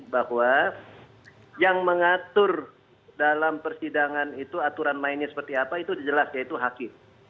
bahwa yang mengatur dalam persidangan itu aturan mainnya seperti apa itu jelas yaitu hakim